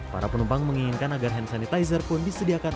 para penumpang menginginkan agar hand sanitizer pun disediakan